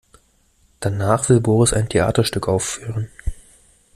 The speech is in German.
Danach will Boris ein Theaterstück aufführen.